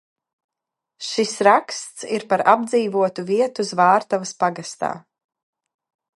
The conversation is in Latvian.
Šis raksts ir par apdzīvotu vietu Zvārtavas pagastā.